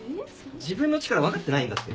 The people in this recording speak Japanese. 自分の力分かってないんだって。